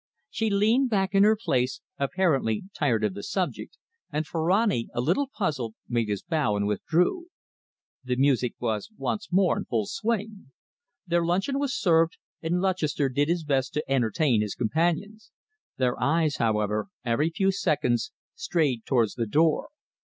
She leaned back in her place, apparently tired of the subject, and Ferrani, a little puzzled, made his bow and withdrew. The music was once more in full swing. Their luncheon was served, and Lutchester did his best to entertain his companions. Their eyes, however, every few seconds strayed towards the door.